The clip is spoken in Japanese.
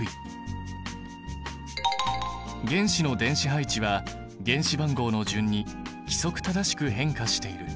原子の電子配置は原子番号の順に規則正しく変化している。